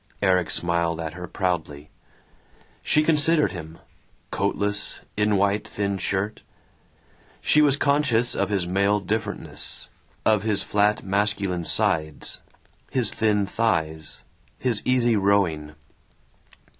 Erik smiled at her proudly. She considered him coatless, in white thin shirt. She was conscious of his male differentness, of his flat masculine sides, his thin thighs, his easy rowing.